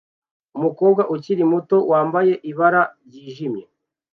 Umukobwa ukiri muto wambaye ibara ryijimye